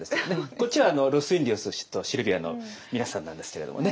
こっちはロス・インディオス＆シルヴィアの皆さんなんですけれどもね。